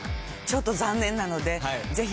ちょっと残念なので。